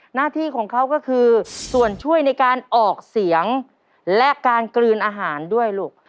หน้าที่ของเขาก็คือส่วนช่วยในการออกเสียงและการกลืนอาหารด้วยลูก